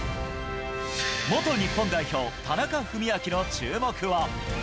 元日本代表、田中史朗の注目は。